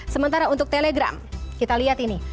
sementara untuk telegram kita lihat ini